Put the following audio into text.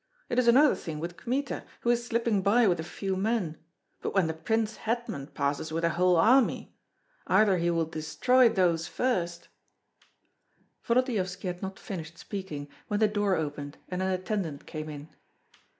It is another thing with Kmita, who is slipping by with a few men; but when the prince hetman passes with a whole army? Either he will destroy those first " Volodyovski had not finished speaking when the door opened and an attendant came in.